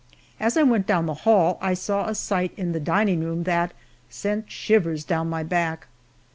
As I went down the hall I saw a sight in the dining room that sent shivers down my back.